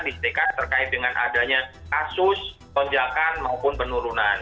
di staykan terkait dengan adanya kasus ponjakan maupun penurunan